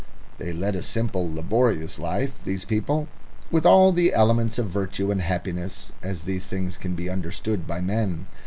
They led a simple, laborious life, these people, with all the elements of virtue and happiness, as these things can be understood by men.